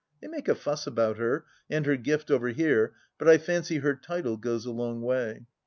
They make a fuss about her and her gift over here, but I fancy her title goes a long way.